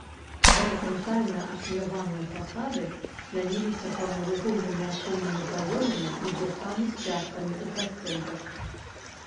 Гарызантальна ашаляваныя фасады чляніліся прамавугольнымі аконнымі праёмамі і брусамі-сцяжкамі ў прасценках.